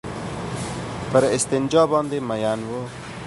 پر استنجا باندې مئين وو.